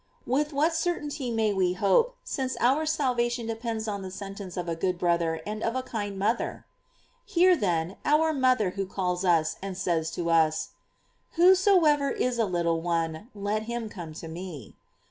With what certainty may we hope, since our salvation depends upon the sentence of a good brother and of a kind motherjf Hear, then, our mother who calls us, and says to us; "Whosoever is a little one, let him come to me."